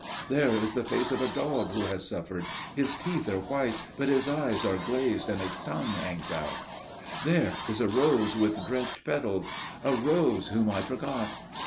There is the face of a dog who has suffered––his teeth are white, but his eyes are glazed and his tongue hangs out.... There is a rose with drenched petals––a rose whom I forgot.